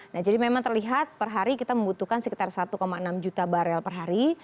nah jadi memang terlihat per hari kita membutuhkan sekitar satu enam juta barel per hari